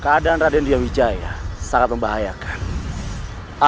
keadaan raden diyawijaya sangat membahayakan